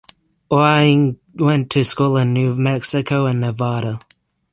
Wang went to school in New Mexico and Nevada.